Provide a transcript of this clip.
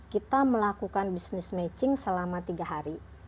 kita melakukan business matching selama tiga hari